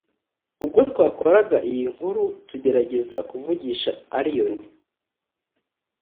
ubwo twakoraga iyi nkuru tugeragezakuvugisha Allioni